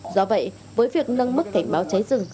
do vậy với việc nâng mức cảnh báo cháy rừng